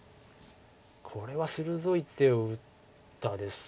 これは鋭い手を打ったです。